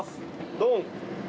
ドン。